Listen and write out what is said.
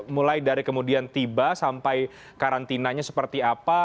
mulai dari kemudian tiba sampai karantinanya seperti apa